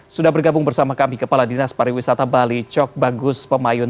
sudah bergabung bersama kami kepala dinas pariwisata bali cok bagus pemayun